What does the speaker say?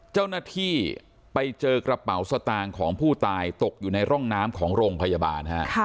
เจ้าหน้าที่ไปเจอกระเป๋าสตางค์ของผู้ตายตกอยู่ในร่องน้ำของโรงพยาบาลฮะ